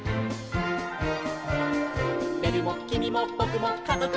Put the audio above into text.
「べるもきみもぼくもかぞくも」